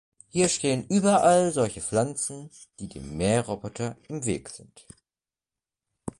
Hier stehen überall solche Pflanzen, die dem Mähroboter im Weg sind.